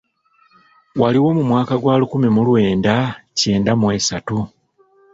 Waliwomu mwaka gwa lukumi mu lwenda kyenda mu esatu?